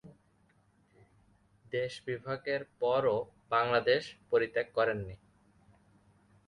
দেশবিভাগের পরেও বাংলাদেশ পরিত্যাগ করেননি।